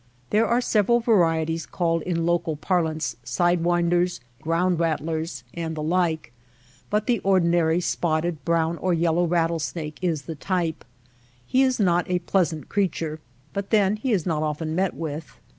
There are several varieties called in local par lance ^^side winders/' ^^ ground rattlers/' and the like ; but the ordinary spotted, brown, or yellow rattlesnake is the type. He is not a pleasant creature, but then he is not often met with.